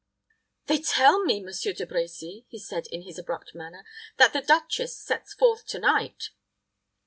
"They tell me, Monsieur De Brecy," he said in his abrupt manner, "that the duchess sets forth to night."